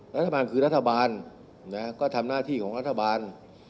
รัฐบาลคือรัฐบาลก็ทำหน้าที่ของรัฐบาล